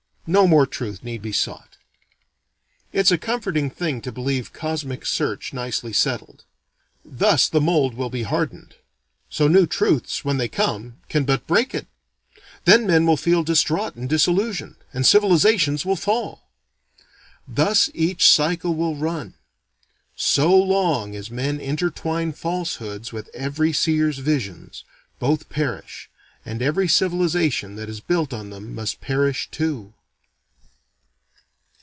No more truth need be sought. It's a comforting thing to believe cosmic search nicely settled. Thus the mold will be hardened. So new truths, when they come, can but break it. Then men will feel distraught and disillusioned, and civilizations will fall. Thus each cycle will run. So long as men interwine falsehoods with every seer's visions, both perish, and every civilization that is built on them must perish too.